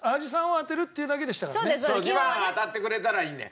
２番が当たってくれたらいいんだよ。